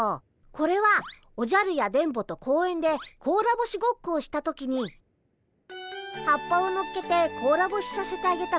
これはおじゃるや電ボと公園でこうらぼしごっこをした時に葉っぱをのっけてこうらぼしさせてあげた小石くんたち。